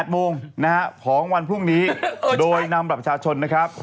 ๘โมงของวันพรุ่งนี้โดยนำบัตรประชาชน